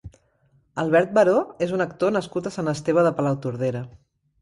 Albert Baró és un actor nascut a Sant Esteve de Palautordera.